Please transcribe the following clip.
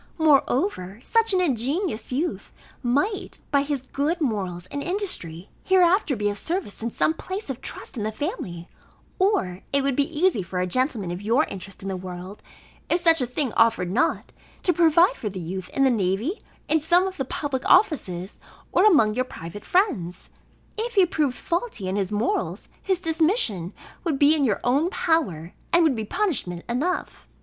Moreover, such an ingenious youth might, by his good morals and industry, hereafter be of service, in some place of trust in the family; or it would be easy for a gentleman of your interest in the world, if such a thing offered not, to provide for the youth in the navy, in some of the public offices, or among your private friends. If he proved faulty in his morals, his dismission would be in your own power, and would be punishment enough.